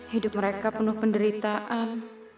hidup mereka penuh penderitaan